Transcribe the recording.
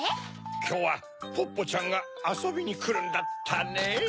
きょうはポッポちゃんがあそびにくるんだったねぇ。